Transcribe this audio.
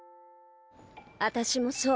あたしもそう。